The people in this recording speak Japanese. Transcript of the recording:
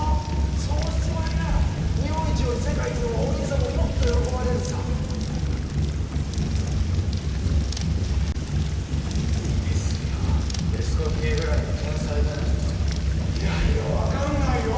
そうしちまいなよ日本一より世界一のほうがお兄さんももっと喜ばれるさ無理ですよエスコフィエぐらいの天才でないといやいや分かんないよ